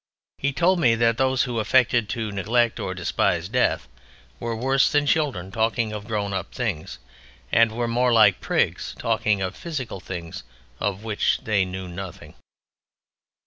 He told me that those who affected to neglect or to despise Death were worse than children talking of grown up things, and were more like prigs talking of physical things of which they knew nothing.